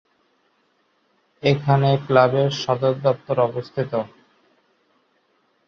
এখানে ক্লাবের সদর দফতর অবস্থিত।